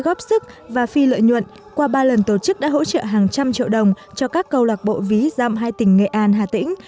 góp sức và phi lợi nhuận qua ba lần tổ chức đã hỗ trợ hàng trăm triệu đồng cho các câu lạc bộ ví dăm hai tỉnh nghệ an hà tĩnh